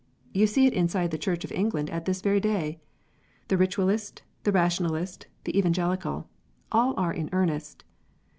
You sec it inside the Church of England at this very day. The Eitualist, the Rationalist, the Evangelical, all are in earnest.